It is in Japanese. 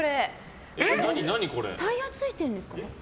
タイヤついてるんですか？